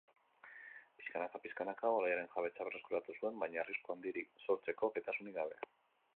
Pixkanaka-pixkanaka baloiaren jabetza berreskuratu zuen, baina arrisku handirik sortzeko gaitasunik gabe.